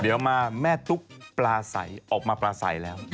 เดี๋ยวมาแม่ตุ๊กปลาใสออกมาปลาใสแล้ว